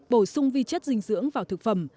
bổ sung vi chất dinh dưỡng vào thực phẩm